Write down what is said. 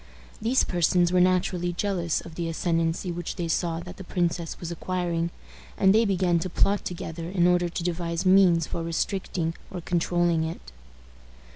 These persons were naturally jealous of the ascendency which they saw that the princess was acquiring, and they began to plot together in order to devise means for restricting or controlling it.